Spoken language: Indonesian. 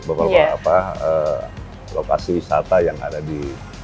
beberapa lokasi wisata yang ada di